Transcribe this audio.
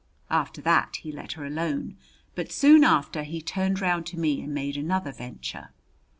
After that he let her alone, but soon after he turned round to me and made another venture.